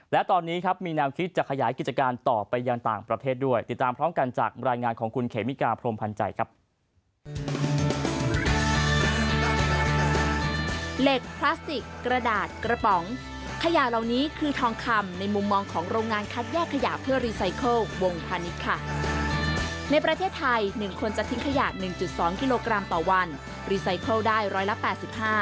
และตอนนี้ครับมีแนวคิดจะขยายกิจการต่อไปยังต่างประเทศด้วยติดตามพร้อมกันจากรายงานของคุณเขมิกาพรมพันธ์ใจครับ